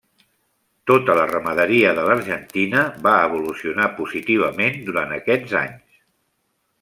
Tota la ramaderia de l'Argentina, va evolucionar positivament durant aquests anys.